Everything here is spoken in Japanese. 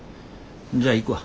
じゃあ行くわ。